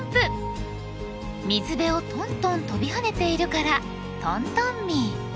水辺をトントン跳びはねているからトントンミー。